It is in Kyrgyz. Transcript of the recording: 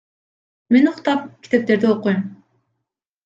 Мен уктап, китептерди окуйм.